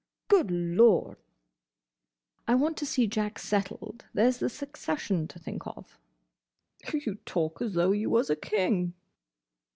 "Good Lord!" "I want to see Jack settled. There 's the succession to think of." "You talk as though you was a king."